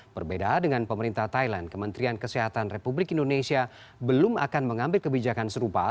berbeda dengan pemerintah thailand kementerian kesehatan republik indonesia belum akan mengambil kebijakan serupa